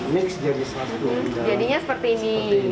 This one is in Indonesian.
mix jadi satu jadinya seperti ini